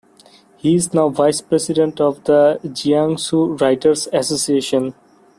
He is now vice president of the Jiangsu Writers Association.